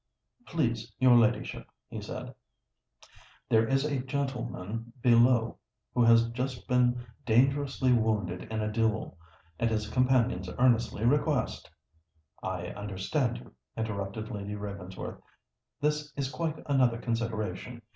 "Please your ladyship," he said, "there is a gentleman below who has just been dangerously wounded in a duel; and his companions earnestly request——" "I understand you," interrupted Lady Ravensworth. "This is quite another consideration.